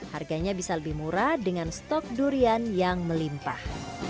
harganya bisa lebih murah dengan stok durian yang melimpah